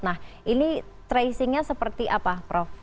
nah ini tracingnya seperti apa prof